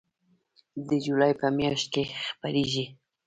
د جولای په میاشت کې خپریږي